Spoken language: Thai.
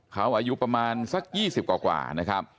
เขาอายุประมาณสัก๒๐กว่านะครับ